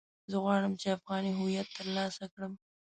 زه غواړم چې افغاني هويت ترلاسه کړم.